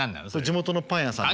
地元のパン屋さん。